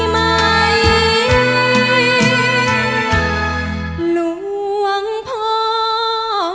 อย่างต้องพี่ยังทราบ